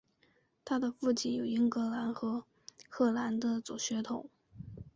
她的父亲有英格兰和荷兰血统。